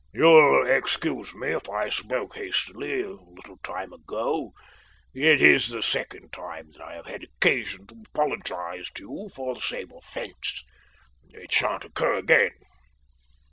"You'll excuse me if I spoke hastily a little time ago. It is the second time that I have had occasion to apologise to you for the same offence. It shan't occur again.